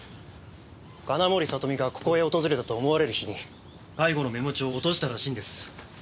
金森里美がここへ訪れたと思われる日に介護のメモ帳を落としたらしいんです。